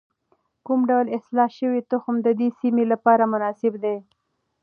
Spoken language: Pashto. کوم ډول اصلاح شوی تخم د دې سیمې لپاره مناسب دی؟